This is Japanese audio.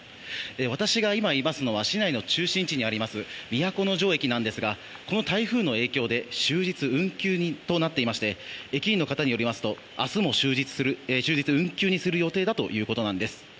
私が今いますのは市内の中心地にあります都城駅なんですがこの台風の影響で終日運休となっていまして駅員の方によりますと明日も終日運休にする予定だということです。